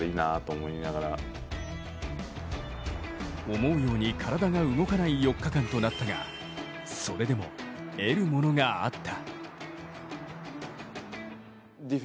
思うように体が動かない４日間となったがそれでも得るものがあった。